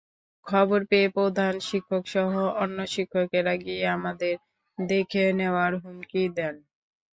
খবর পেয়ে প্রধান শিক্ষকসহ অন্য শিক্ষকেরা গিয়ে আমাদের দেখে নেওয়ার হুমকি দেন।